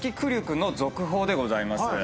君の続報でございます。